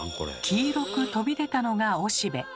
黄色く飛び出たのがおしべ。